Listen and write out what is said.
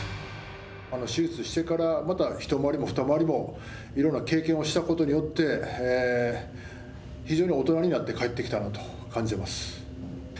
手術してから、また一回りも二回りもいろんな経験をしたことによって、非常に大人になって帰ってきたなと感じています。